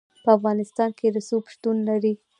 په افغانستان کې رسوب شتون لري.